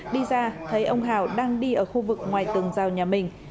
đi ra thấy ông hào đang đi ở khu vực ngoài tường rào nhà mình